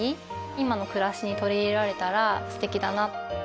今の暮らしに取り入れられたらすてきだな。